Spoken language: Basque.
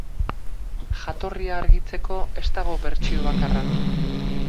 Jatorria argitzeko ez dago bertsio bakarra.